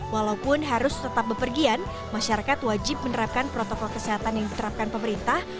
walaupun harus tetap bepergian masyarakat wajib menerapkan protokol kesehatan yang diterapkan pemerintah